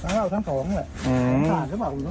ดื่มเท้าทั้ง๒ล่ะทั้งสามทั้งหลัง